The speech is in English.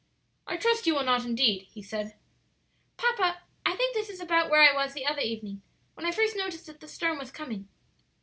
"I trust you will not indeed," he said. "Papa, I think this is about where I was the other evening when I first noticed that the storm was coming."